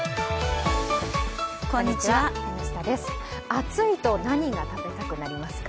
暑いと何が食べたくなりますか？